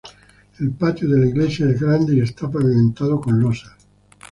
El patio de la iglesia es grande y está pavimentado con losas.